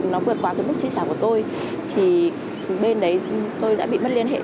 nó vượt qua cái mức chi trả của tôi thì bên đấy tôi đã bị mất liên hệ